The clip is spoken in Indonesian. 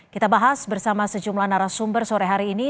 kita bahas bersama sejumlah narasumber sore hari ini